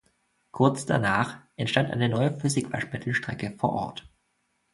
Kurz danach entstand eine neue Flüssigwaschmittel-Strecke vor Ort.